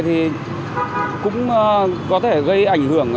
thì cũng có thể gây ảnh hưởng